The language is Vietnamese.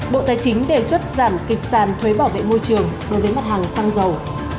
bộ tài chính đề xuất giảm kịch sàn thuế bảo vệ môi trường đối với mặt hàng xăng dầu